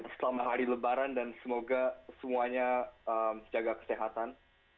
selama hari lebaran dan semoga semuanya jaga kesehatan